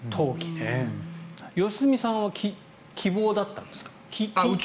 良純さんは希望だったんですか？